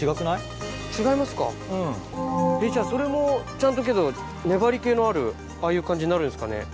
じゃあそれもちゃんと粘り気のあるああいう感じになるんですかね？